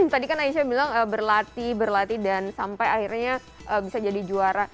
tadi kan aisyah bilang berlatih berlatih dan sampai akhirnya bisa jadi juara